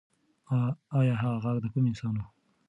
ایا هغه غږ د کوم انسان و؟